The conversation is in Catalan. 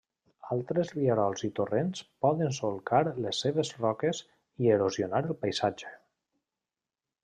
Altres rierols i torrents poden solcar les seves roques i erosionar el paisatge.